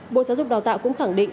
bộ giáo dục đào tạo cũng khẳng định